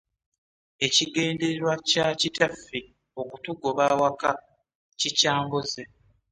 Ekigendererwa kya kitaffe okutugoba awaka kikyambuze.